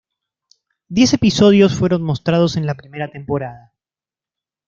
Diez episodios fueron mostrados en la primera temporada.